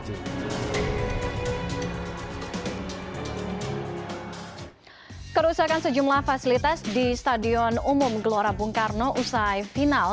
kerusakan sejumlah fasilitas di stadion umum gelora bung karno usai final